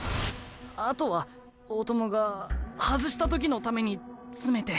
あとは大友が外した時のために詰めて。